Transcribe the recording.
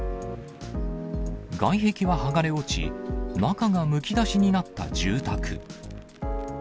外壁は剥がれ落ち、中がむき出しになった住宅。